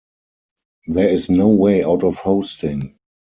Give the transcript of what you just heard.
There is no way out of hosting.